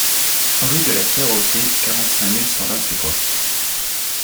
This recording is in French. Rue de la Pierre Aux Fées, quarante-cinq mille cent vingt Cepoy